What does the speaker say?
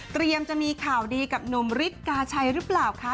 เตรียมจะมีข่าวดีกับหนุ่มฤทธิ์กาชัยรึเปล่าคะ